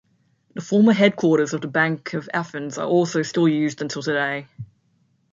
The former headquarters of the Bank of Athens are also still used until today.